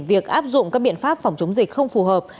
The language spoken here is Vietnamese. việc áp dụng các biện pháp phòng chống dịch không phù hợp